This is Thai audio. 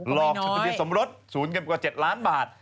หลอกจดทะเบียนสมรส๐เงินกว่า๗ล้านบาท